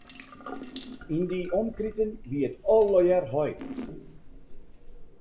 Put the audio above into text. Yn dy omkriten wie it allegear heide.